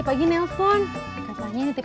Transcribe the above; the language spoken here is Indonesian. pindah kabutnya benim